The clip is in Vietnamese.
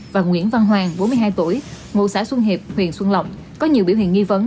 và nguyễn văn hoàng bốn mươi hai tuổi ngụ xã xuân hiệp huyện xuân lộc có nhiều biểu hiện nghi vấn